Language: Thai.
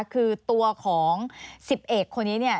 คือตัวของ๑๐เอกคนนี้เนี่ย